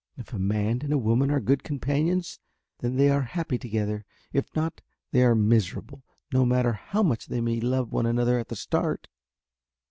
If a man and woman are good companions then they are happy together, if not they are miserable, no matter how much they may love one another at the start."